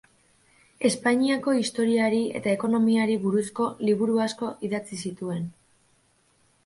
Espainiako historiari eta ekonomiari buruzko liburu asko idatzi zituen.